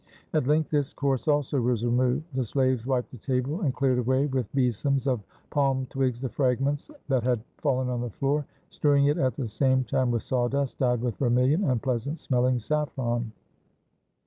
At length this course also was removed, the slaves wiped the table, and cleared away with besoms of palm twigs the fragments that had fallen on the floor, strewing it at the same time with saw dust, dyed with vermilion and pleasant smelling saffron.